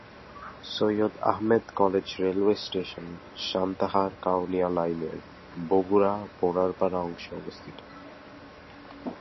Syed Ahmed college railway station Santahar-Kaunia লাইনের বগুড়া-বোনারপাড়া অংশে অবস্থিত।